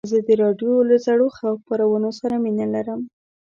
زه د راډیو له زړو خپرونو سره مینه لرم.